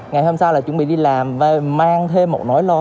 ngày hôm sau là chuẩn bị đi làm mang thêm một nỗi lo